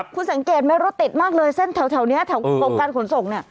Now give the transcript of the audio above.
คุณสังเกตไหมรถติดมากเลยเส้นแถวนี้แถวกรมการขนส่งเนี่ย